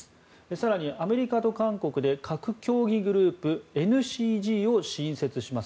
更に、アメリカと韓国で核協議グループ・ＮＣＧを新設します。